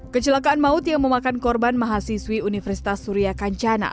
kecelakaan maut yang memakan korban mahasiswi universitas surya kancana